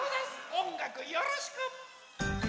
おんがくよろしく！